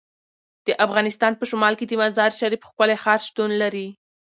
د افغانستان په شمال کې د مزارشریف ښکلی ښار شتون لري.